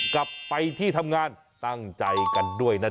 กลับไปที่ทำงานตั้งใจกันด้วยนะจ